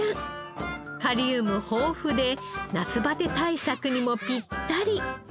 カリウム豊富で夏バテ対策にもピッタリ！